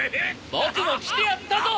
僕も来てやったぞ！